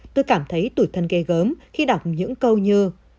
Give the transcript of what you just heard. tôi cảm thấy tủi thân ghê gớm khi đọc những câu như